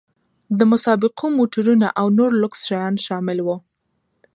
د مسابقو موټرونه او نور لوکس شیان شامل وو.